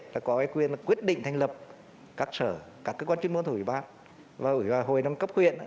là có quyền quyết định thành lập các sở các cơ quan chuyên môn của hội đồng nhân cấp huyện và hội đồng cấp huyện